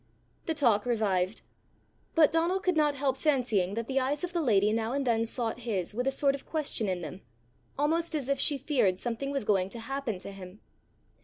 The talk revived. But Donal could not help fancying that the eyes of the lady now and then sought his with a sort of question in them almost as if she feared something was going to happen to him.